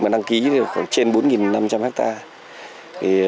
đăng ký khoảng trên bốn năm trăm linh hectare